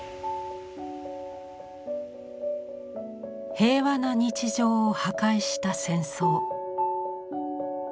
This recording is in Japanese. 平和な日常を破壊した戦争。